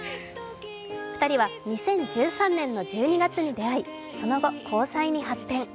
２人は２０１３年の１２月に出会い、その後、交際に発展。